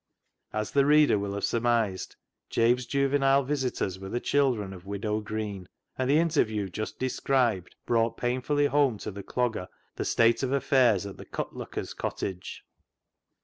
As the reader will have surmised, Jabe's juvenile visitors were the children of Widow Green, and the interview just described brought painfully home to the Clogger the state of affairs at the cut looker's cottage.